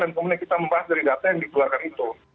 dan kemudian kita membahas dari data yang dikeluarkan itu